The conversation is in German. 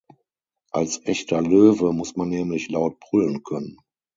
Als echter Löwe muss man nämlich laut brüllen können.